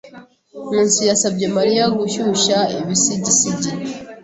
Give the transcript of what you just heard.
Nkusi yasabye Mariya gushyushya ibisigisigi.